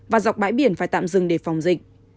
và dọc bãi biển phải tạm dừng để phòng dịch